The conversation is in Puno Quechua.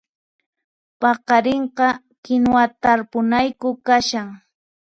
Paqarinqa kinuwa tarpunayku kashan